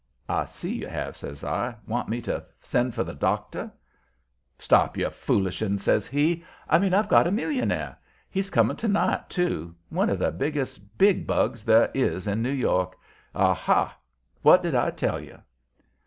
"I see you have," says I. "Want me to send for the doctor?" "Stop your foolishing," he says. "I mean I've got a millionaire. He's coming to night, too. One of the biggest big bugs there is in New York. Ah, ha! what did I tell you?"